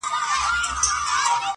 له عطاره دوکان پاته سو هک پک سو!.